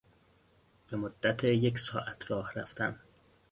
به مدت یک ساعت راه رفتن